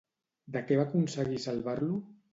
De què va aconseguir salvar-lo?